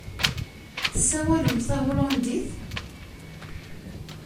Tessawalemt tahulandit?